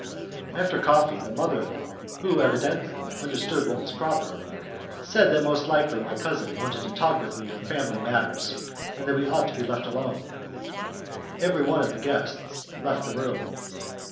After coffee, the mother in law, who evidently understood what was proper, said that most likely my cousin wanted to talk with me on family matters, and that we ought to be left alone. Every one of the guests left the room.